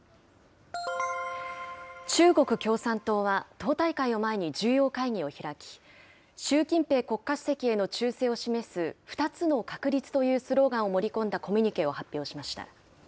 中国共産党は、党大会を前に重要会議を開き、習近平国家主席への忠誠を示す、２つの確立というスローガンを盛り込んだコミュニケを発表しました。